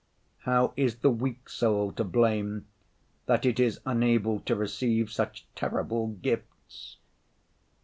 How is the weak soul to blame that it is unable to receive such terrible gifts?